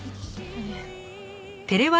いえ。